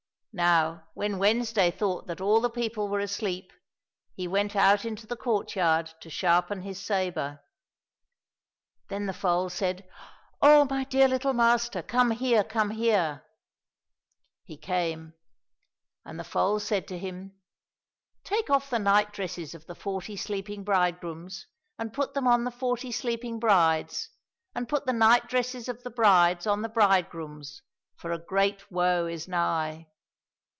Now, when Wednesday thought that all the people were asleep, he went out into the courtyard to sharpen his sabre. Then the foal said, " Oh, my dear little master, come here, come here !" He came, and the foal said to him, " Take off the night dresses of the forty sleeping bridegrooms and put them on the forty sleeping brides, and put the night dresses of the brides on the bridegrooms, for a great woe is nigh